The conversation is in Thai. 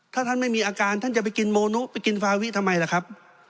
ถ้าท่านไม่มีอาการท่านจะไปกินโมนุไปกินฟาวิทำไมล่ะครับ